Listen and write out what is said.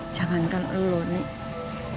jangan kan elu nih